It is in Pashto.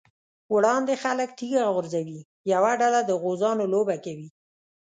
وړاندې خلک تيږه غورځوي، یوه ډله د غوزانو لوبه کوي.